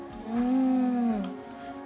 うん。